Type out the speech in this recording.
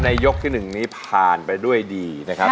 ยกที่๑นี้ผ่านไปด้วยดีนะครับ